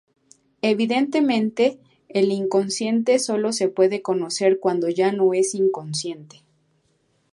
Evidentemente, el inconsciente sólo se puede conocer cuando ya no es inconsciente.